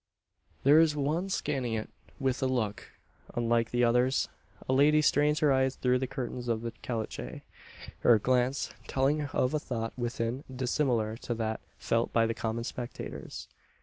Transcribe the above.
There is one scanning it with a look unlike the others. A lady strains her eyes through the curtains of a caleche her glance telling of a thought within dissimilar to that felt by the common spectators.